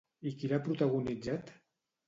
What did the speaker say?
I qui l'ha protagonitzat?